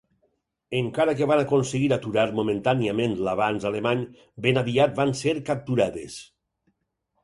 Encara que van aconseguir aturar momentàniament l'avanç alemany, ben aviat van ser capturades.